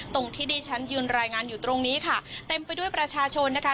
ตรงที่ดิฉันยืนรายงานอยู่ตรงนี้ค่ะเต็มไปด้วยประชาชนนะคะ